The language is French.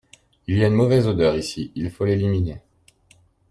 Il y a une mauvaise odeur ici, il faut l’éliminer.